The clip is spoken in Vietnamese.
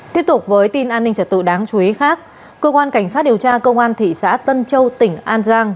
tiếp tục với tin an ninh trật tự đáng chú ý khác cơ quan cảnh sát điều tra công an thị xã tân châu tỉnh an giang